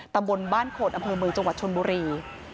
ตำบลบ้านโขดอำเภอเมืองจังหวัดชนบุรี